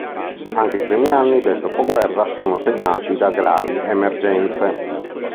Anche i primi anni del dopoguerra sono segnati da gravi emergenze.